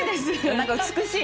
何か美しい。